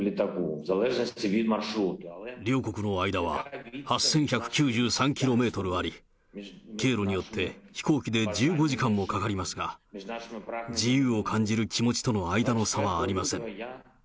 両国の間は８１９３キロメートルあり、経路によって飛行機で１５時間もかかりますが、自由を感じる気持ちとの間の差はありません。